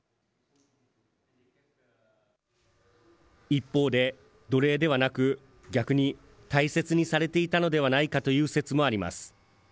一方で、奴隷ではなく、逆に大切にされていたのではないかという説もあります。